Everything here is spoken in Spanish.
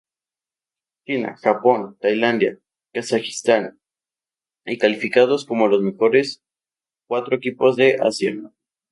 China, Japón, Tailandia, Kazajistán y calificados como los mejores cuatro equipos de Asia.